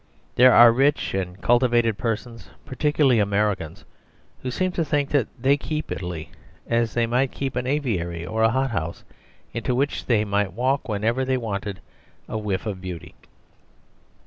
There are rich and cultivated persons, particularly Americans, who seem to think that they keep Italy, as they might keep an aviary or a hothouse, into which they might walk whenever they wanted a whiff of beauty.